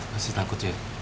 masih takut ya